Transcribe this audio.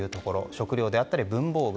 食料であったり、文房具。